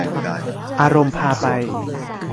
อารมณ์พาไป